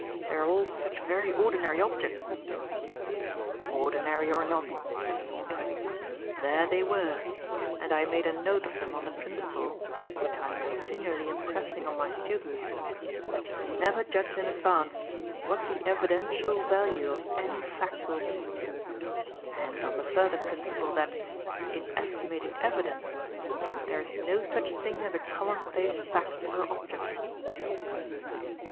"They are all such very ordinary objects." "Ordinary or not," said Thorndyke, "there they were; and I made a note of them on the principle which I am continually impressing on my students that you can never judge in advance what the evidential value of any fact will be, and on the further principle that, in estimating evidence, there is no such thing as a commonplace fact or object.